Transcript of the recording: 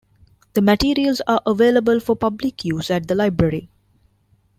The materials are available for public use at the library.